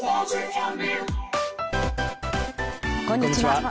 こんにちは。